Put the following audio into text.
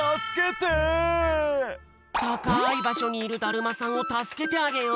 たかいばしょにいるだるまさんをたすけてあげよう。